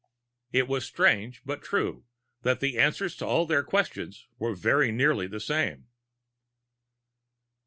_ It was strange, but true, that the answers to all their questions were very nearly the same.